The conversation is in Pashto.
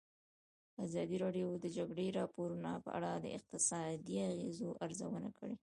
ازادي راډیو د د جګړې راپورونه په اړه د اقتصادي اغېزو ارزونه کړې.